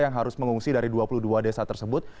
yang harus mengungsi dari dua puluh dua desa tersebut